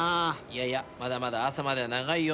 いやいやまだまだ朝までは長いよ。